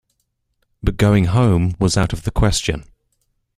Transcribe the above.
But going home was out of the question.